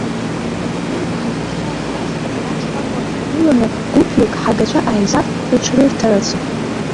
Гәыма ҳаибашьцәа ахьтәаз, абираҟ шкәакәа рхаргыланы гәыԥҩык ҳагацәа ааизаап, рыҽрырҭарацы.